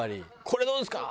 これどうですか？